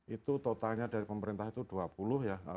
itu totalnya dari pemerintah itu dua puluh ya